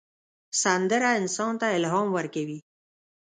سندره انسان ته الهام ورکوي